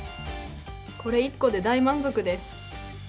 これ１個で大満足です。